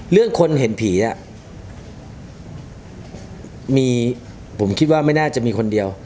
คนเห็นผีผมคิดว่าไม่น่าจะมีคนเดียว